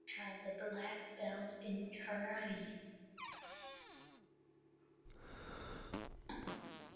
He has a black belt in karate.